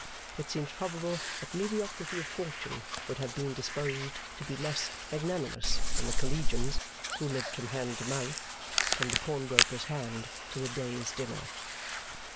It seems probable that mediocrity of fortune would have been disposed to be less magnanimous than the Collegians, who lived from hand to mouth from the pawnbroker's hand to the day's dinner.